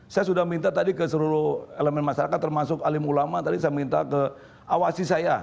saya sudah minta tadi ke seluruh elemen masyarakat termasuk alim ulama tadi saya minta ke awasi saya